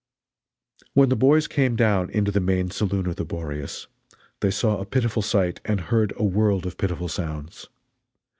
When the boys came down into the main saloon of the Boreas, they saw a pitiful sight and heard a world of pitiful sounds.